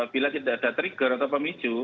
bila tidak ada trigger atau pemicu